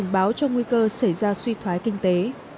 cảnh báo cho nguy cơ xảy ra suy thoái kinh tế